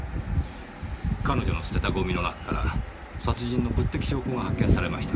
彼女の捨てたゴミの中から殺人の物的証拠が発見されました。